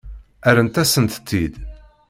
Rrant-asent-tt-id.